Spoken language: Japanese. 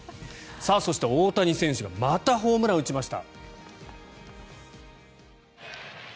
そして、大谷選手がまたホームラン打ちました。